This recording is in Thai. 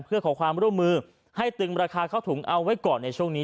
เพื่อขอความร่วมมือให้ตึงราคาข้าวถุงเอาไว้ก่อนในช่วงนี้